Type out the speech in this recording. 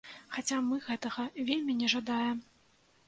Хаця мы гэтага вельмі не жадаем.